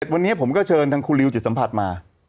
วันนี้ผมก็เชิญทางครูริวจิตสัมผัสมา